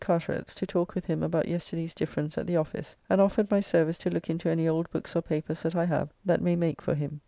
Carteret's, to talk with him about yesterday's difference at the office; and offered my service to look into any old books or papers that I have, that may make for him.